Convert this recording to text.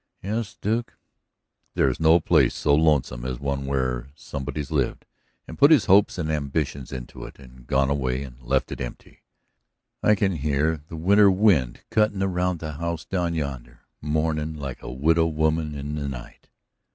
"Yes, Duke." "There's no place so lonesome as one where somebody's lived, and put his hopes and ambitions into it, and gone away and left it empty. I can hear the winter wind cuttin' around the house down yonder, mournin' like a widow woman in the night."